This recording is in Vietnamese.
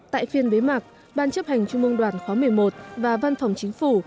tại phiên bế mạc ban chấp hành trung mương đoàn khóa một mươi một và văn phòng chính phủ